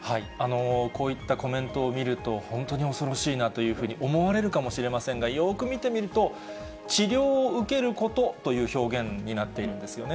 こういったコメントを見ると、本当に恐ろしいなというふうに思われるかもしれませんが、よく見てみると、治療を受けることという表現になっているんですよね。